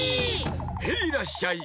ヘイらっしゃい！